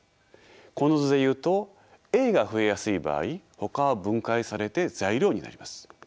この図で言うとＡが増えやすい場合ほかは分解されて材料になります。